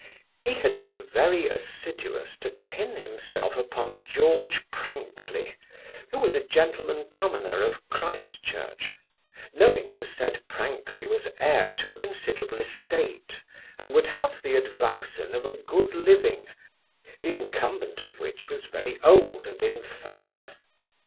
He had been very assiduous to pin himself upon George Prankley, who was a gentleman commoner of Christchurch, knowing the said Prankley was heir to a considerable estate, and would have the advowson of a good living, the incumbent of which was very old and infirm.